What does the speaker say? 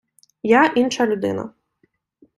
Я інша людина.